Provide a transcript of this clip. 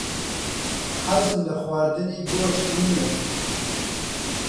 حەزم لە خواردنی گۆشت نییە.